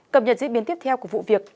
cập nhật diễn biến tiếp theo của vụ việc